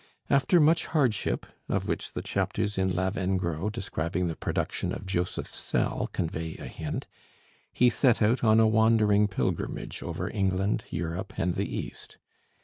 After much hardship (of which the chapters in 'Lavengro' describing the production of 'Joseph Sell' convey a hint), he set out on a wandering pilgrimage over England, Europe, and the East.